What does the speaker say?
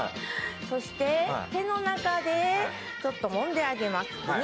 そして、手の中でちょっともんであげます。